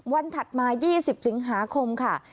ถัดมา๒๐สิงหาคมค่ะ